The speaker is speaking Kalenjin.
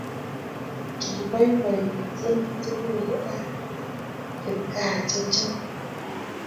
Kibaibaitynchini tukuk ab kipkaa chechoo